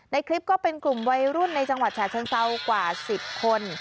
ในคลิปก็เป็นกลุ่มวัยรุ่นในจังหวัดฉะเชิงเซากว่า๑๐คน